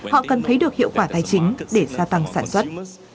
họ cần thấy được hiệu quả tài chính để gia tăng sản xuất